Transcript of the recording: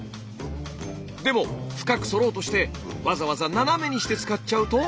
でも深くそろうとしてわざわざ斜めにして使っちゃうと。